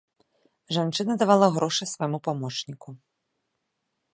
Жанчына давала грошы свайму памочніку.